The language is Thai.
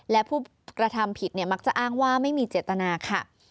และผู้ปกติผิดเนี่ยมักจะอ้างว่าไม่มีเจตนาค่ะ